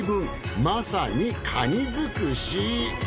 まさにカニ尽くし。